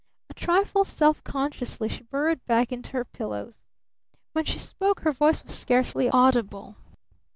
A trifle self consciously she burrowed back into her pillows. When she spoke her voice was scarcely audible.